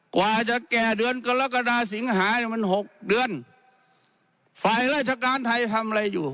กว่าจะแก่เดือนกรกฎาสิงหาเนี่ยมันหกเดือนฝ่ายราชการไทยทำอะไรอยู่